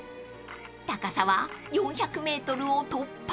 ［高さは４００ｍを突破］